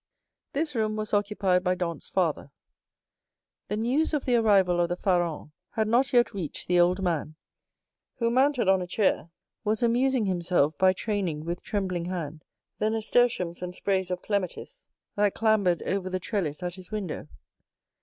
This room was occupied by Dantès' father. The news of the arrival of the Pharaon had not yet reached the old man, who, mounted on a chair, was amusing himself by training with trembling hand the nasturtiums and sprays of clematis that clambered over the trellis at his window.